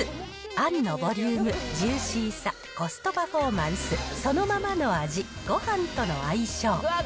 あんのボリューム、ジューシーさ、コストパフォーマンス、そのままの味、ごはんとの相性。